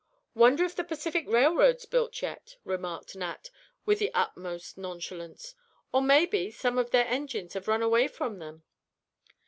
"Wonder if the Pacific Railroad's built yet?" remarked Nat, with the utmost nonchalance; "or, maybe, some of their engines have run away from them."